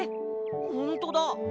ほんとだ！